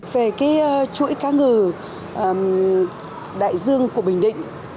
về cái chuỗi cá ngừ đại dương của bình định